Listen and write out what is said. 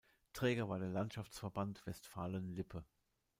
Träger war der Landschaftsverband Westfalen-Lippe.